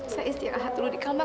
saya istirahat dulu di kamar